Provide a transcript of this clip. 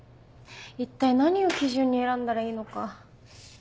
一体何を基準に選んだらいいのか。